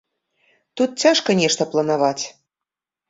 Тут цяжка нешта планаваць.